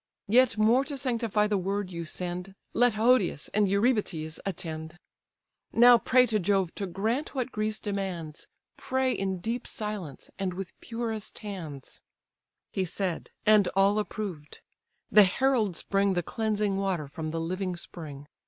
Yet more to sanctify the word you send, Let Hodius and Eurybates attend. Now pray to Jove to grant what Greece demands; Pray in deep silence, and with purest hands." THE EMBASSY TO ACHILLES He said; and all approved. The heralds bring The cleansing water from the living spring.